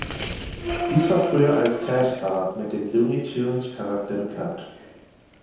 Dies war früher als Taz-Bar mit dem Looney Tunes-Charakter bekannt.